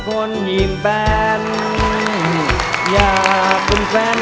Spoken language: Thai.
ขอบคุณครับ